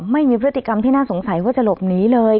ไม่มีพฤติกรรมที่น่าสงสัยว่าจะหลบหนีเลย